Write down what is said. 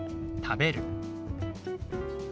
「食べる」。